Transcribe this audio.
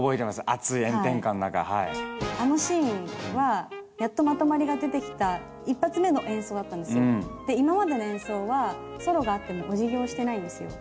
暑い炎天下の中はいあのシーンはやっとまとまりが出てきた一発目の演奏だったんですよで今までの演奏はソロがあってもお辞儀をしてないんですよ